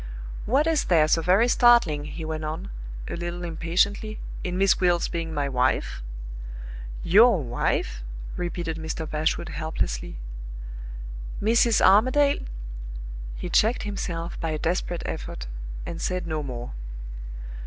"What is there so very startling," he went on, a little impatiently, "in Miss Gwilt's being my wife?" "Your wife?" repeated Mr. Bashwood, helplessly. "Mrs. Armadale !" He checked himself by a desperate effort, and said no more.